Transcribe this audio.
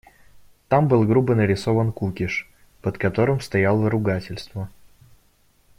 Там был грубо нарисован кукиш, под которым стояло ругательство.